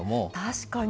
確かに。